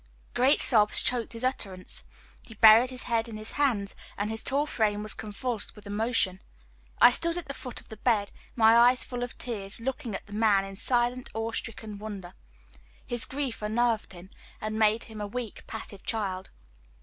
Great sobs choked his utterance. He buried his head in his hands, and his tall frame was convulsed with emotion. I stood at the foot of the bed, my eyes full of tears, looking at the man in silent, awe stricken wonder. His grief unnerved him, and made him a weak, passive child.